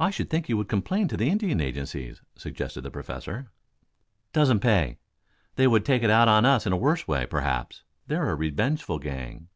"I should think you would complain to the Indian agencies," suggested the Professor. "Doesn't pay. They would take it out of us in a worse way, perhaps. They're a revengeful gang."